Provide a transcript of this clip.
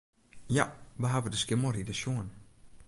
Ja, wy hawwe de Skimmelrider sjoen.